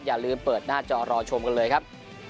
อย่าลืมเปิดหน้าจอรอชมกันเลยครับ